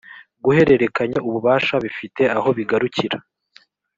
guhererekanya ububasha bifite aho bigarukira